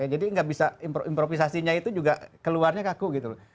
jadi nggak bisa improvisasinya itu juga keluarnya kaku gitu loh